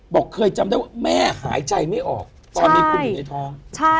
เคยจำได้ว่าแม่หายใจไม่ออกตอนมีคุณอยู่ในท้อง